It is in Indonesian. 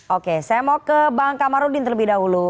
oke saya mau ke bang kamarudin terlebih dahulu